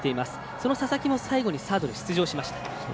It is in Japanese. その佐々木も最後にサードで出場しました。